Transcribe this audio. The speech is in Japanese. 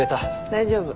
大丈夫。